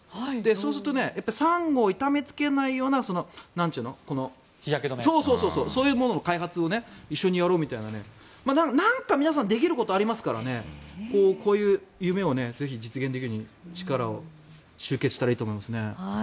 そうすると、サンゴを痛めつけないような日焼け止めそういうものを開発を一緒にやろうみたいななんか皆さんできることがありますからこういう夢をぜひ実現できるように力を集結したらいいと思いますね。